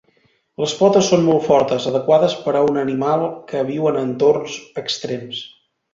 Les potes són molt fortes, adequades per a un animal que viu en entorns extrems.